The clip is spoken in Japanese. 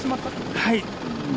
はい。